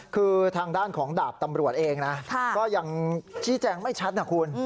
คือทางด้านของดาบตำรวจเองนะก็ยังชี้แจงไม่ชัดนะคุณ